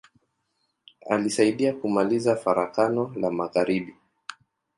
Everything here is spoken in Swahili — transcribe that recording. Alisaidia kumaliza Farakano la magharibi.